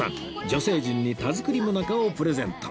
女性陣にたづくり最中をプレゼント